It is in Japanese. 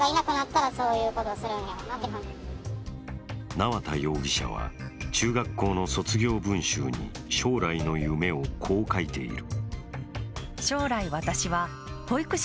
縄田容疑者は中学校の卒業文集に将来の夢をこう書いている。